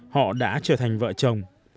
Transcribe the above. họ đã trở thành vợ chồng